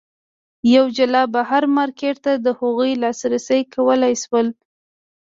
یوه جلا بهر مارکېټ ته د هغوی لاسرسی کولای شول.